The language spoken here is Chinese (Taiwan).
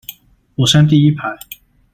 火山第一排